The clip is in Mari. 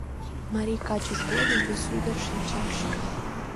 Марий качыж годым вес ӱдыр шинчаш